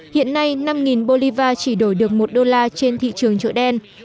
hiện nay năm bolivar chỉ đổi được một đô la trên thị trường chỗ đen